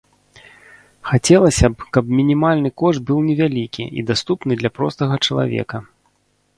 Хацелася б каб мінімальны кошт быў невялікі і даступны для простага чалавека.